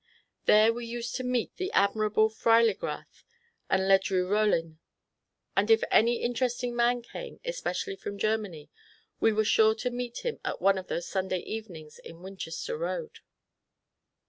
There we used to meet the admirable Freili grath and Ledru Rollin, and if any interesting man came, especially from Germany, we were sure to meet him at one of those Sunday evenings in Winchester Road.